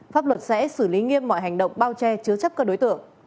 pháp luật sẽ xử lý nghiêm mọi hành động bao che chứa chấp các đối tượng